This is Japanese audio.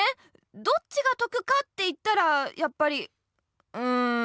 どっちが得かっていったらやっぱりうん。